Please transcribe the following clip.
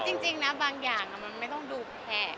จริงนะบางอย่างมันไม่ต้องดูแขก